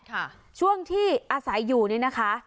บ้านเพื่อใช้หนี้นี่แหละค่ะช่วงที่อาศัยอยู่นี่นะคะ